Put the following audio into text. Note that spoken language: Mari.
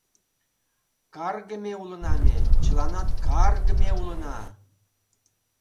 Каргыме улына ме, чыланат каргыме улына!